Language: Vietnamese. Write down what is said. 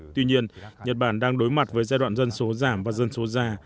tuy nhiên nhật bản đang đối mặt với giai đoạn dân số giảm và dân số già